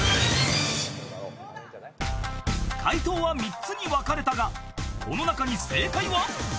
［解答は３つに分かれたがこの中に正解は？］